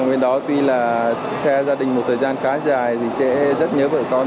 và sẽ gia đình một thời gian khá dài thì sẽ rất nhớ bởi con